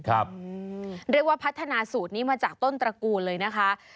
เรียกว่าพัฒนาสูตรนี้มาจากต้นตระกูลเลยนะคะ